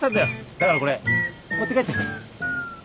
だからこれ持って帰って。